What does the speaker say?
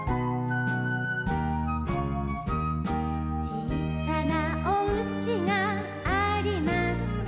「ちいさなおうちがありました」